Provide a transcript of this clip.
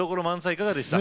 いかがでした？